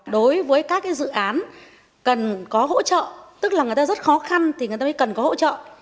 đối với các dự án cần có hỗ trợ tức là người ta rất khó khăn thì người ta mới cần có hỗ trợ